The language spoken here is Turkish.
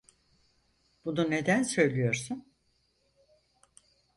Bunu neden söylüyorsun?